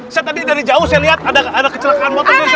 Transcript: saya tadi dari jauh saya lihat ada kecelakaan motornya